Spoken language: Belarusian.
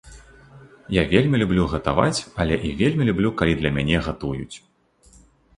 Я вельмі люблю гатаваць, але і вельмі люблю, калі для мяне гатуюць.